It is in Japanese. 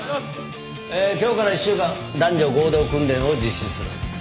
えー今日から１週間男女合同訓練を実施する。